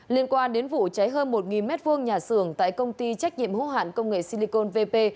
liên quan đến vụ cháy hơn một m hai nhà xưởng tại công ty trách nhiệm hữu hạn công nghệ silicon vp